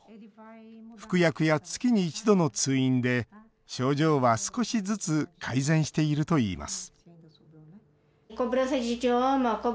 服薬や月に一度の通院で症状は、少しずつ改善しているといいます